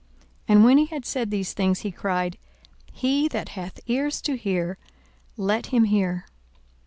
And when he had said these things, he cried, He that hath ears to hear, let him hear.